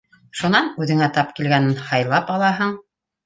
Шунан үҙеңә тап килгәнен һайлап алаһың.